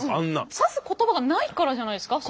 指す言葉がないからじゃないですか？